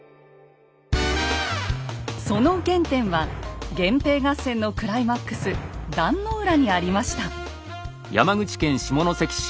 その原点は源平合戦のクライマックス壇の浦にありました。